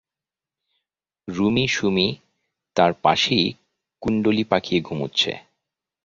রুমী সুমী তাঁর পাশেই কুণ্ডলী পাকিয়ে ঘুমুচ্ছে।